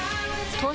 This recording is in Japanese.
東芝